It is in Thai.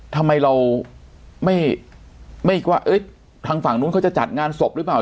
ทำไมเราไม่คิดว่าทางฝั่งนู้นเขาจะจัดงานศพหรือเปล่า